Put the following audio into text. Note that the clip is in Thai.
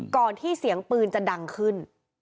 ที่เสียงปืนจะดังขึ้น